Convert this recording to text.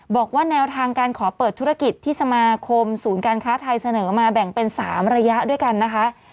บอกว่าแนวทางการขอเปิดธุรกิจที่สมาคมศูนย์การค้าไทยเสนอมาแบ่งเป็น๓ระยะด้วยกันนะคะ